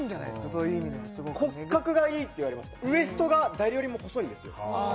そういう意味ではすごく骨格がいいって言われましたウエストが誰よりも細いんですよ